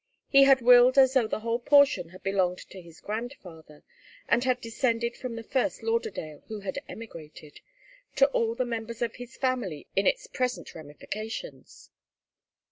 He had willed as though the whole portion had belonged to his grandfather, and had descended from the first Lauderdale who had emigrated, to all the members of his family in its present ramifications.